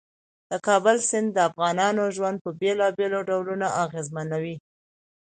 د کابل سیند د افغانانو ژوند په بېلابېلو ډولونو اغېزمنوي.